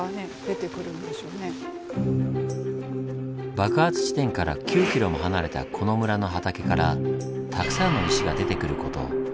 爆発地点から９ｋｍも離れたこの村の畑からたくさんの石が出てくること。